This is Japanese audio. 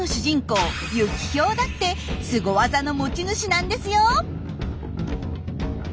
ユキヒョウだってスゴ技の持ち主なんですよ！